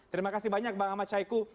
terima kasih banyak bang ahmad syaiqo